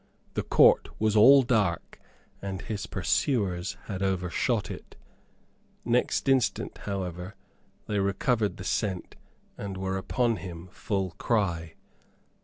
The court was all dark, and his pursuers had overshot it; next instant, however, they recovered the scent and were upon him full cry.